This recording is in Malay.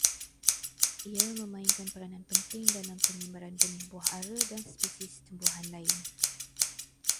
Ia memainkan peranan penting dalam penyebaran benih buah ara dan spesies tumbuhan lain